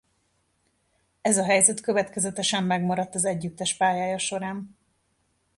Ez a helyzet következetesen megmaradt az együttes pályája során.